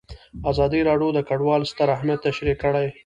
ازادي راډیو د کډوال ستر اهميت تشریح کړی.